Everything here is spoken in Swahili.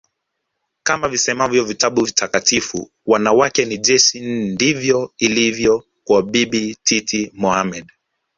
Kama visemavyo vitabu vitakatifu wanawake ni jeshi ndivyo ilivyo kwa Bibi Titi Mohamed